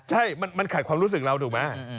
ใช่มันขาดความรู้สึกเราถูกไหม